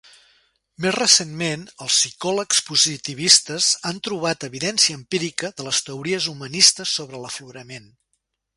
Més recentment, els psicòlegs positivistes han trobat evidència empírica de les teories humanistes sobre l'aflorament.